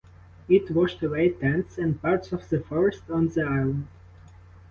It washed away tents and parts of the forest on the island.